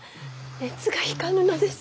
熱が引かぬのです。